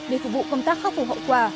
để phục vụ công tác khắc phục hậu quả